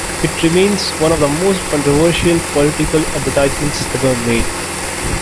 It remains one of the most controversial political advertisements ever made.